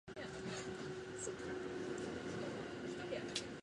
リオグランデ・ド・スル州の州都はポルト・アレグレである